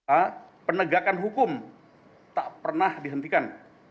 a penegakan hukum tak pernah dihentikan